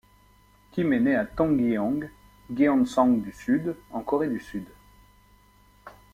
Kim est née à Tongyeong, Gyeongsang du Sud, en Corée du Sud.